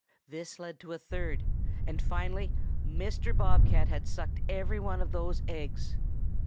This led to a third, and finally Mr. Bob cat had sucked every one of those eggs.